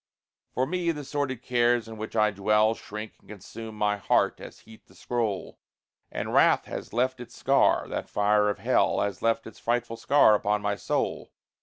For me, the sordid cares in which I dwell Shrink and consume my heart, as heat the scroll; And wrath has left its scar that fire of hell Has left its frightful scar upon my soul.